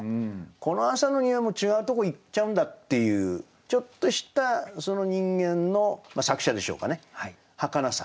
この朝の匂いも違うとこ行っちゃうんだっていうちょっとしたその人間の作者でしょうかねはかなさ。